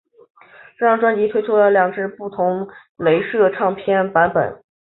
这张专辑推出了两只不同雷射唱片版本。